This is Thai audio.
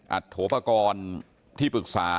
โถปกรณ์ที่ปรึกษา